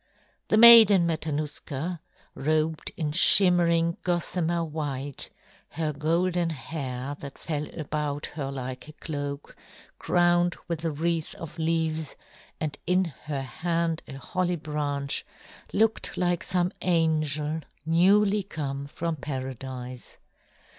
The Maiden Matanuska, robed in shimmering gossamer white, her golden hair, that fell about her like a cloak, crowned with a wreath of leaves, and in her hand a holly branch, looked like some angel newly come from paradise.